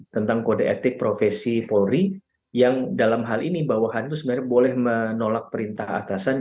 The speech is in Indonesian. tentang kode etik profesi polri yang dalam hal ini bawahan itu sebenarnya boleh menolak perintah atasan